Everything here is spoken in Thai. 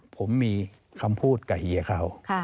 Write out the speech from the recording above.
ผมมีคำพูดกับเฮียเขา